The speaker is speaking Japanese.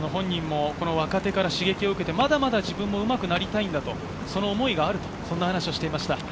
若手から刺激を受けて、まだまだ自分はうまくなりたいんだ、その思いがあると話していました。